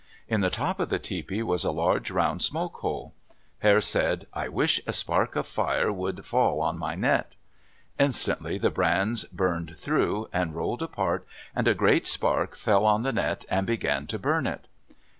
In the top of the tepee was a large round smoke hole. Hare said, "I wish a spark of fire would fall on my net." Instantly the brands burned through and rolled apart and a great spark fell on the net and began to burn it.